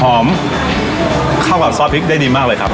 หอมเข้ากับซอสพริกได้ดีมากเลยครับ